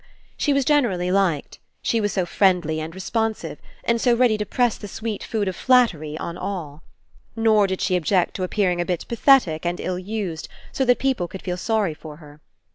She was generally liked. She was so friendly and responsive, and so ready to press the sweet food of flattery on all. Nor did she object to appearing a bit pathetic and ill used, 146 RE ENCOUNTER SO that people could feel sorry for her.